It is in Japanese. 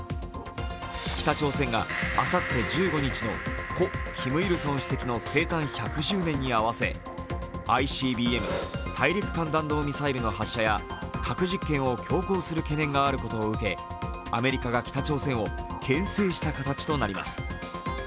北朝鮮があさって１５日の故キム・イルソン主席の生誕１１０年に合わせＩＣＢＭ＝大陸間弾道ミサイルの発射や核実験を強行する懸念があることを受けアメリカが北朝鮮をけん制した形となります。